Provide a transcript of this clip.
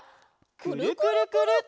「くるくるくるっ」。